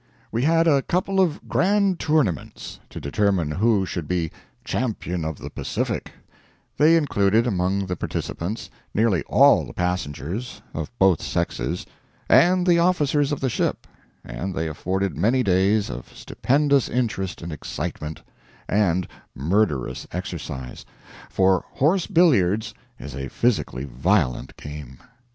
We had a couple of grand tournaments, to determine who should be "Champion of the Pacific"; they included among the participants nearly all the passengers, of both sexes, and the officers of the ship, and they afforded many days of stupendous interest and excitement, and murderous exercise for horse billiards is a physically violent game.